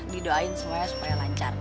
didoain semuanya supaya lancar